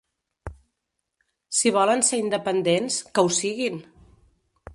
Si volen ser independents, que ho siguin!